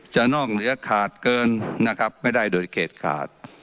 นอกเหนือขาดเกินนะครับไม่ได้โดยเขตขาด